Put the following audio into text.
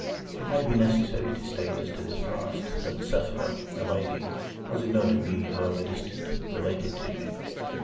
It may be necessary to state as to this last, that the sufferer (a lady) was in no degree, however distant, related to me.